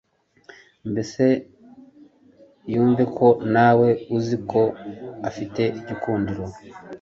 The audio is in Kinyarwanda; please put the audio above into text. mbese yumve ko nawe uzi ko afite igikundiro